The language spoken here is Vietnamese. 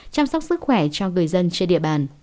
chăm sóc sức khỏe cho người dân trên địa bàn